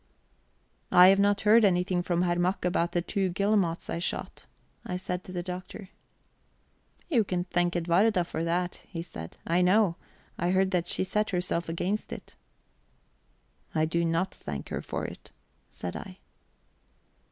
"I have not heard anything from Herr Mack about the two guillemots I shot," I said to the Doctor. "You can thank Edwarda for that," he said. "I know. I heard that she set herself against it." "I do not thank her for it," said I...